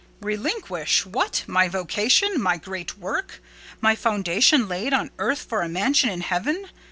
"Relinquish! What! my vocation? My great work? My foundation laid on earth for a mansion in heaven?